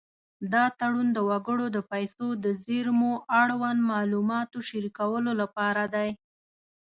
دا تړون د وګړو د پیسو د زېرمو اړوند معلومات شریکولو لپاره دی.